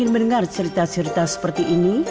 warta berita sbs audio